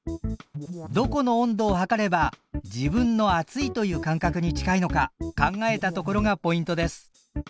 どこの温度を測れば自分の暑いという感覚に近いのか考えたところがポイントです。